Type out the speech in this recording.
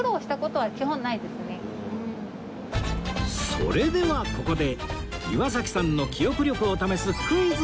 それではここで岩崎さんの記憶力を試すクイズを出題